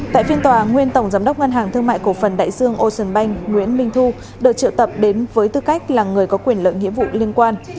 tại phiên tòa nguyên tổng giám đốc ngân hàng thương mại cổ phần đại dương ocean bank nguyễn minh thu được triệu tập đến với tư cách là người có quyền lợi nghĩa vụ liên quan